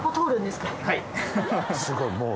すごいもう。